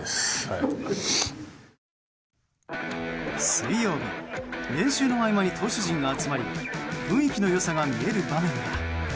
水曜日練習の合間に投手陣が集まり雰囲気の良さが見える場面が。